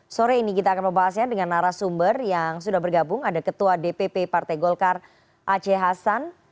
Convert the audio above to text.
sore ini kita akan membahasnya dengan arah sumber yang sudah bergabung ada ketua dpp partai golkar aceh hasan